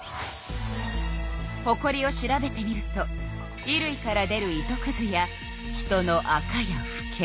ほこりを調べてみると衣類から出る糸くずや人のアカやフケ。